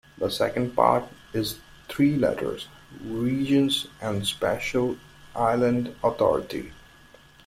The second part is three letters: regions and special island authority.